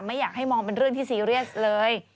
ไม่อยากให้มองเป็นเรื่องที่ซีเรียสเลย